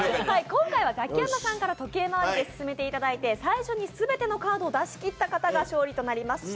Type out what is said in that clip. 今回はザキヤマさんから時計回りで進めていただいて最初に全てのカードを出し切った人が勝利となります。